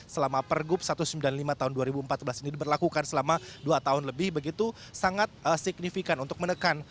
selama pergub satu ratus sembilan puluh lima tahun dua ribu empat belas ini diberlakukan selama dua tahun lebih begitu sangat signifikan untuk menekan